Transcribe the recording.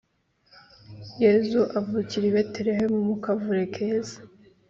yezu avukira i betelehemu mukavure keza